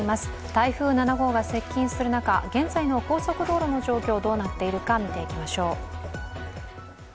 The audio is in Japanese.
台風７号が接近する中、現在の高速道路の状況、どうなっているか見ていきましょう。